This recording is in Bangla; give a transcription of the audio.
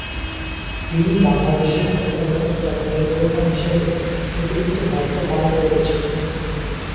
তিনি বাংলাদেশের তত্ত্বাবধায়ক সরকারের প্রধান হিসেবে অতিরিক্ত দায়িত্ব পালন করেছেন।